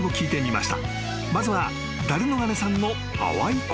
［まずは］